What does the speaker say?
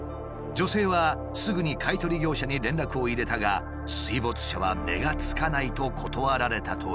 女性はすぐに買い取り業者に連絡を入れたが水没車は値が付かないと断られたという。